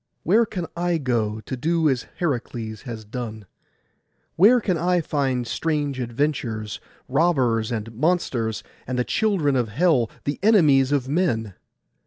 Where can I go, to do as Heracles has done? Where can I find strange adventures, robbers, and monsters, and the children of hell, the enemies of men?